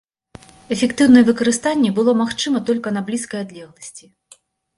Эфектыўнае выкарыстанне было магчыма толькі на блізкай адлегласці.